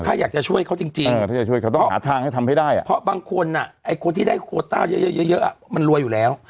ถ้าอยากจะช่วยเขาจริงต้องหาทางให้ทำให้ได้เพราะบางคนไอ้คนที่ได้โคต้าเยอะมันรวยอยู่แล้ว